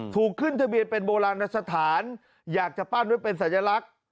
ถูกขึ้นทะเบียนเป็นโบราณสถานอยากจะปั้นไว้เป็นสัญลักษณ์